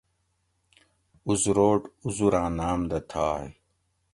اُزروٹ اُزراں نام دہ تھاگ